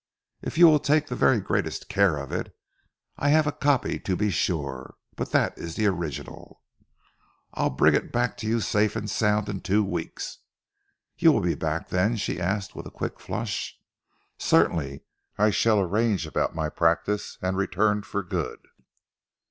"If you will take the very greatest care of it. I have a copy to be sure; but that is the original." "I'll bring it back to you safe and sound in two weeks." "You will be back then?" she asked with a quick flush. "Certainly. I shall arrange about my practice and return for good."